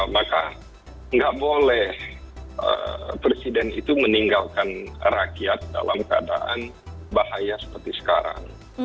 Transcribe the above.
maka nggak boleh presiden itu meninggalkan rakyat dalam keadaan bahaya seperti sekarang